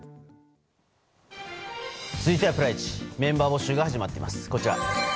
続いてはプライチメンバー募集が始まっています。